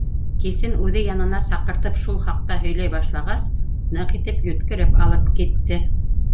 — Кисен үҙе янына саҡыртып шул хаҡта һөйләй башлағас, ныҡ итеп йүткереп алып китте.